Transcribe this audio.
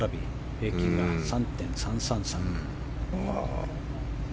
平均が３．３３３。